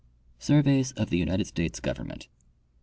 Surveys of the United States Government.